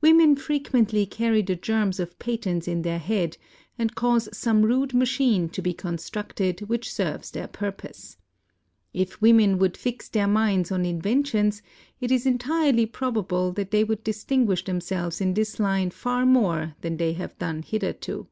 "Women frequently carry the germs of patents in their head, and cause some rude machine to he constructed which serves their purpose. If women would fix their minds on inventions, it is entirely prob able that they would distinguish themselves in this line far more than they have done hitherto."